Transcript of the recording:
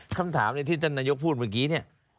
คำถามที่ท่านนายกพูดเมื่อกี้เนี่ย